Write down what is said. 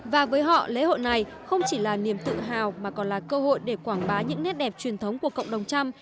và với họ lễ hội này không chỉ là niềm tự hào mà còn là cơ hội để quảng bá những nét đẹp truyền thống của cộng đồng trăm